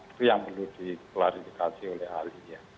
itu yang perlu diklarifikasi oleh ahlinya